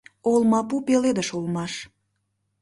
Олмапу пеледыш улмаш.